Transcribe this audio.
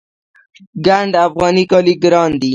ګنډ افغاني کالي ګران دي